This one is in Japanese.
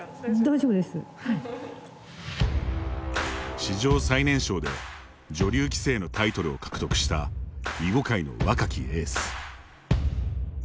史上最年少で女流棋聖のタイトルを獲得した囲碁界の若きエース。